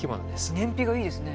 燃費がいいですね。